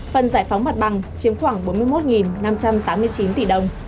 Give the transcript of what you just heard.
phần giải phóng mặt bằng chiếm khoảng bốn mươi một năm trăm tám mươi chín tỷ đồng